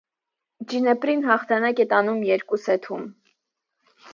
Ջինեպրին հաթղանակ է տանում երկու սեթում։